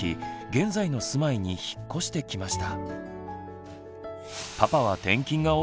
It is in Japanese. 現在の住まいに引っ越してきました。